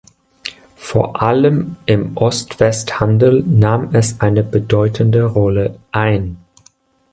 Vor allem im Ost-West-Handel nahm es eine bedeutende Rolle ein.